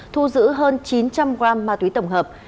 thu giữ hơn chín trăm linh g ma túy tổng hợp